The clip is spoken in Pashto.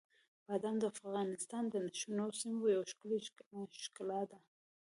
بادام د افغانستان د شنو سیمو یوه ښکلې ښکلا ده.